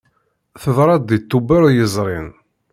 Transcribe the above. Teḍra-d deg Tubeṛ yezrin.